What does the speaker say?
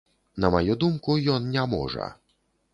На маю думку, ён не можа.